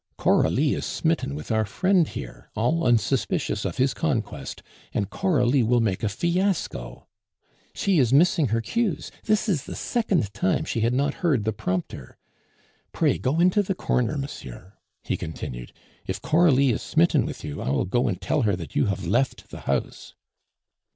"Coralie is smitten with our friend here, all unsuspicious of his conquest, and Coralie will make a fiasco; she is missing her cues, this is the second time she had not heard the prompter. Pray, go into the corner, monsieur," he continued. "If Coralie is smitten with you, I will go and tell her that you have left the house."